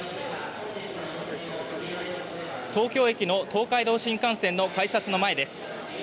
東京駅の東海道新幹線の改札の前です。